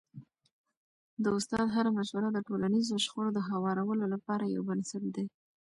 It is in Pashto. د استاد هره مشوره د ټولنیزو شخړو د هوارولو لپاره یو بنسټ دی.